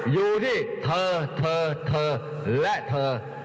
อยู่ที่เธอเธอและเธอ